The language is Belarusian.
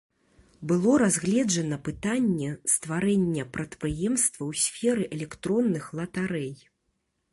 Было разгледжана пытанне стварэння прадпрыемства ў сферы электронных латарэй.